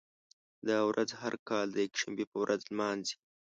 دا ورځ هر کال د یکشنبې په ورځ لمانځي.